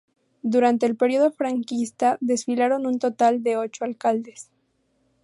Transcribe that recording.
Durante el período franquista desfilaron un total de ocho alcaldes.